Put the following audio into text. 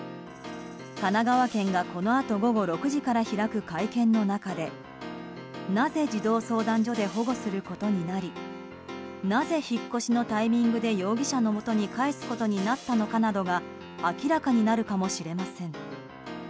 神奈川県が、このあと午後６時から開く会見の中でなぜ児童相談所で保護することになりなぜ引っ越しのタイミングで容疑者のもとに帰すことになったのかなどが明らかになるかもしれません。